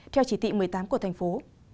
theo chỉ tị một mươi tám của thành phố